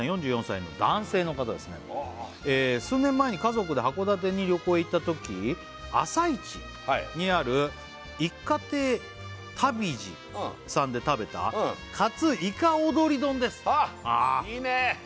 ４４歳の男性の方ですね数年前に家族で函館に旅行へ行ったとき朝市にある一花亭たびじさんで食べた活いか踊り丼ですいいね！